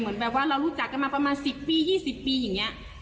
เหมือนแบบว่าเรารู้จักกันมาประมาณ๑๐ปี๒๐ปีอย่างนี้